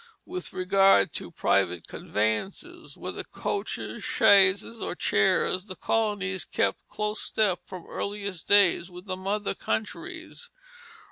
With regard to private conveyances, whether coaches, chaises, or chairs, the colonies kept close step from earliest days with the mother countries.